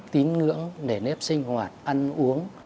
tín ngưỡng nếp sinh hoạt ăn uống